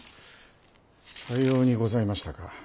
さようにございましたか。